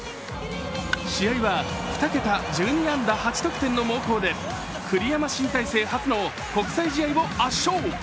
試合は２桁１２安打８得点の猛攻で栗山新体制初の国際試合を圧勝。